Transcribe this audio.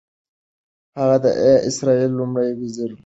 هغه د اسرائیلو لومړي وزیر ولید.